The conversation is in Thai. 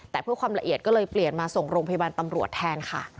แต่เพื่อความละเอียดก็เลยเปลี่ยนมาส่งโรงพยาบาลตำรวจแทนค่ะ